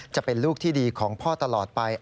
จะเป็นลูกที่ดีของพ่อตลอดไป